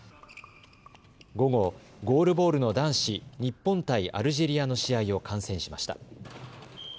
午後、ゴールボールの男子日本対アルジェリアの試合を観戦しました。